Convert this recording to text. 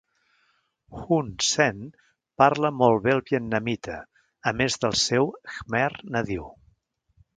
Hun Sen parla molt bé el vietnamita, a més del seu khmer nadiu.